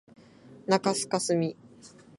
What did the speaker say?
中須かすみ